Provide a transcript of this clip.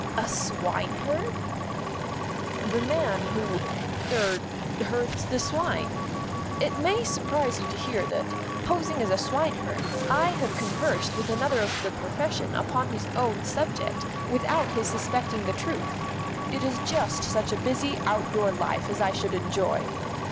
"A swineherd?" "The man who er herds the swine. It may surprise you to hear that, posing as a swineherd, I have conversed with another of the profession upon his own subject, without his suspecting the truth. It is just such a busy outdoor life as I should enjoy.